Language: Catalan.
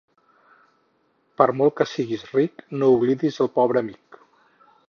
Per molt que siguis ric, no oblidis el pobre amic.